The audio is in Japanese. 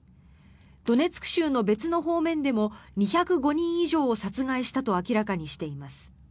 ドネツク州の別の方面でも２０５人以上を殺害したと明らかにしています。